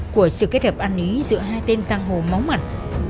của sự kết hợp ăn ý giữa hai tên giang hồ máu mặt